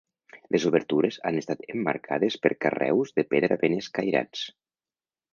Les obertures han estat emmarcades per carreus de pedra ben escairats.